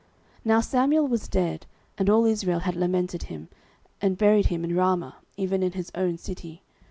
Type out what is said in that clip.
09:028:003 Now Samuel was dead, and all Israel had lamented him, and buried him in Ramah, even in his own city.